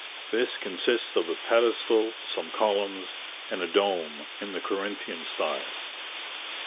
This consists of a pedestal, some columns, and a dome in the Corinthian style.